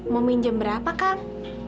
mau minjem berapa kang